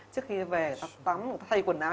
trước khi về người ta tắm người ta thay quần áo